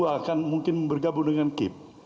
akan mungkin bergabung dengan kip